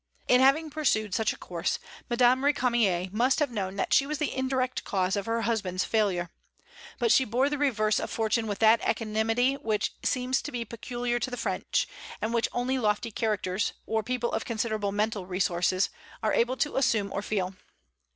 In having pursued such a course, Madame Récamier must have known that she was the indirect cause of her husband's failure. But she bore the reverse of fortune with that equanimity which seems to be peculiar to the French, and which only lofty characters, or people of considerable mental resources, are able to assume or feel.